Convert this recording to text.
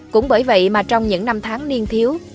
cũng bởi vậy mà trong những năm tháng niên thiếu